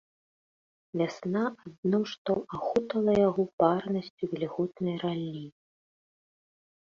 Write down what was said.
Вясна адно што ахутала яго парнасцю вільготнай раллі.